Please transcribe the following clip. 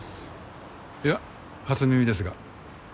いや初耳ですが。